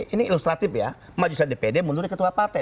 ini ilustratif ya maju saja dpd mundur dari ketua partai